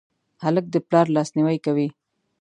هلک د پلار لاسنیوی کوي.